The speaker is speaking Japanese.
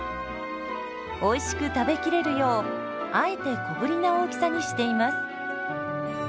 おいしく食べきれるようあえて小ぶりな大きさにしています。